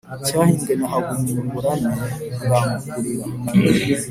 cyahimbwe na hagumuburame bwa mukurira